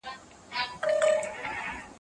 لوڅ لپړ پاچا روان لكه اشا وه